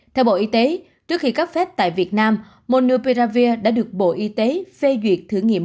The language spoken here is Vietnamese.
theo bộ y tế trước khi cấp phép tại việt nam monoperavir đã được bộ y tế phê duyệt thử nghiệm